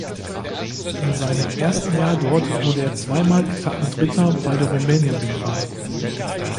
In seinem ersten Jahr dort wurde er zweimal Etappendritter bei der Rumänien-Rundfahrt.